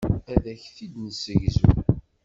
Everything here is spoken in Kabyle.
Ad ak-t-id-nessegzu.